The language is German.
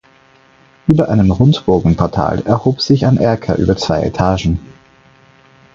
Über einem Rundbogenportal erhob sich ein Erker über zwei Etagen.